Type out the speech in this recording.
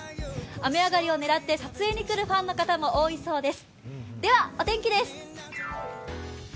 雨上がりを狙って撮影に来るファンの方も多いそうです。